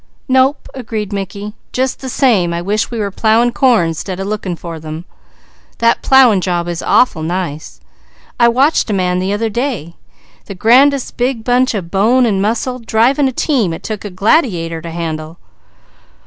"Nope," agreed Mickey. "Just the same I wish we were plowing corn, 'stead of looking for them. That plowing job is awful nice. I watched a man the other day, the grandest big bunch of bone and muscle, driving a team it took a gladiator to handle.